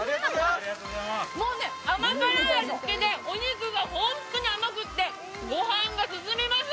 もうね、甘辛い味付けでお肉が本当においしくてご飯が進みます。